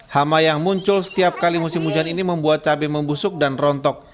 hama yang muncul setiap kali musim hujan ini membuat cabai membusuk dan rontok